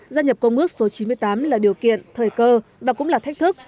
gia nhập công ước số chín mươi tám là điều kiện thời cơ và cũng là thách thức